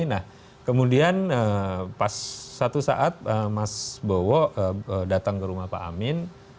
nah kemudian pas satu saat mas bowo datang ke rumah pak amin